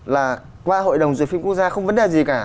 là qua hội đồng dược phim quốc gia không vấn đề gì cả